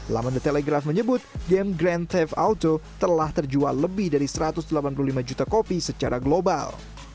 laman the telegraf menyebut game grand teve auto telah terjual lebih dari satu ratus delapan puluh lima juta kopi secara global